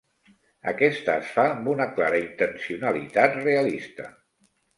Aquesta es fa amb una clara intencionalitat realista.